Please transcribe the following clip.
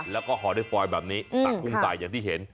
แล้วหลบด้วยฟอยน์แบบนี้ตักกุ้งใสอย่างที่เห็น